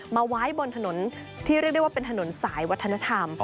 มาไว้บนถนนที่เรียกได้ว่าเป็นถนนสายวัฒนธรรม